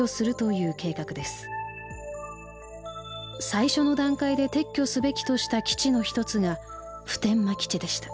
最初の段階で撤去すべきとした基地の一つが普天間基地でした。